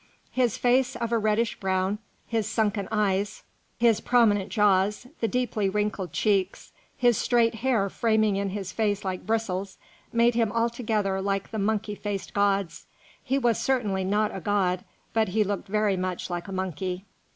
His face of a reddish brown, his sunken eyes, his prominent jaws, the deeply wrinkled cheeks, his straight hair framing in his face like bristles, made him altogether like the monkey faced gods. He was certainly not a god, but he looked very much like a monkey.